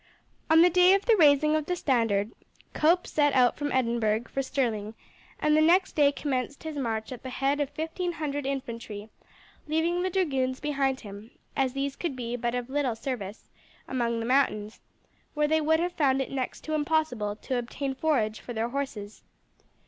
On the day of the raising of the standard Cope set out from Edinburgh for Stirling and the next day commenced his march at the head of fifteen hundred infantry, leaving the dragoons behind him, as these could be of but little service among the mountains, where they would have found it next to impossible to obtain forage for their horses.